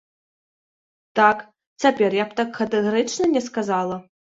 Так, цяпер я б так катэгарычна не сказала.